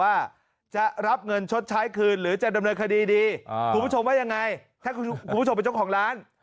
ว่าจะรับเงินชดใช้คืนหรือจะดำเนินคดีดีคุณผู้ชมว่ายังไงถ้าคุณผู้ชมเป็นเจ้าของร้าน